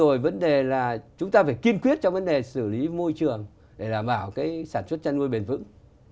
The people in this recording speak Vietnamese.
rồi vấn đề là chúng ta phải kiên quyết trong vấn đề xử lý môi trường để đảm bảo cái sản xuất chăn nuôi bền vững